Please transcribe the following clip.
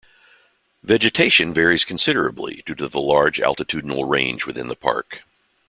Vegetation varies considerably due to the large altitudinal range within the park.